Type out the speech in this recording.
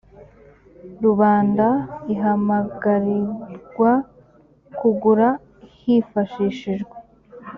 rubanda ihamagarirwa kugura hifashishijwe